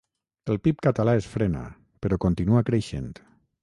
El pib català es frena però continua creixent